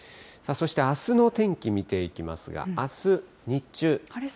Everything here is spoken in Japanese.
さあ、そしてあすの天気見ていきますが、あす日中。